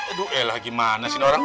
aduh elah gimana sih ini orang